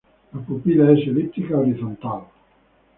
La pupila es elíptica horizontal.